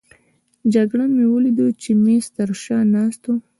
جګړن مې ولید چې د مېز تر شا ناست وو.